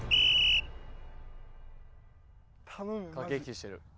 駆け引きしてる。